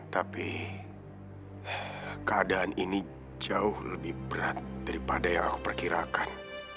tapi keadaan ini jauh lebih berat daripada yang aku perkirakan